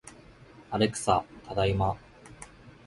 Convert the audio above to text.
アレクサ、ただいま